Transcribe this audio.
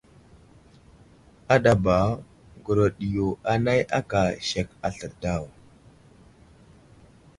Aɗaba ŋgurəɗ yo anay aka sek aslər daw.